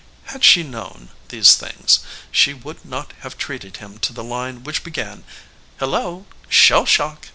Had she known these things she would not have treated him to the line which began "Hello, Shell Shock!"